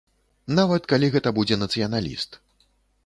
Нават калі гэта будзе нацыяналіст.